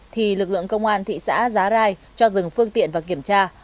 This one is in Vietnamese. thì lực lượng công an thị xã giá rai cho dừng phương tiện và kiểm tra